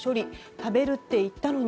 食べるって言ったのに。